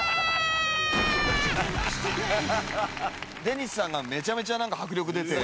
デニスさんがめちゃめちゃなんか迫力出て。